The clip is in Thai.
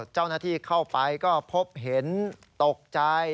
เจ้าหน้าที่เข้าไปก็พบเห็นตกใจ